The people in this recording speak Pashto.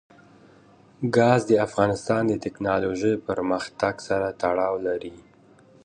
ګاز د افغانستان د تکنالوژۍ پرمختګ سره تړاو لري.